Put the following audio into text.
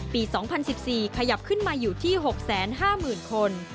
๒๐๑๔ขยับขึ้นมาอยู่ที่๖๕๐๐๐คน